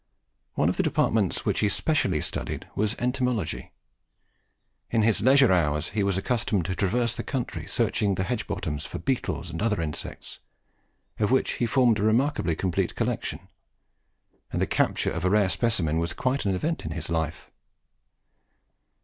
One of the departments which he specially studied was Entomology. In his leisure hours he was accustomed to traverse the country searching the hedge bottoms for beetles and other insects, of which he formed a remarkably complete collection; and the capture of a rare specimen was quite an event in his life.